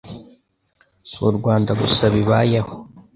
Si u Rwanda gusa bibayeho